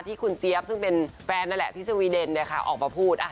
ที่คุณเจี๊ยบซึ่งเป็นแฟนนั่นแหละที่สวีเดนออกมาพูด